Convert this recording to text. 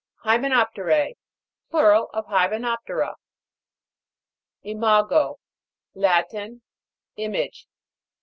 HYMENOP'TERA. Plural of Hyme noptera. IMA'GO. Latin. Image.